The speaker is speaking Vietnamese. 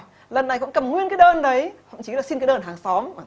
lần này cũng cầm nguyên cái đơn đấy thậm chí là xin cái đơn hàng xóm